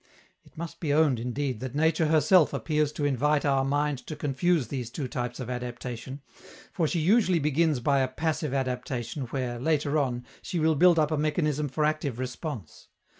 It must be owned, indeed, that Nature herself appears to invite our mind to confuse these two kinds of adaptation, for she usually begins by a passive adaptation where, later on, she will build up a mechanism for active response.